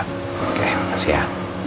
oke terima kasih ya